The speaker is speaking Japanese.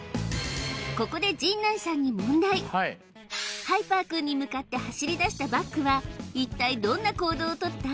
ここで陣内さんに問題はいハイパー君に向かって走りだしたバックは一体どんな行動を取った？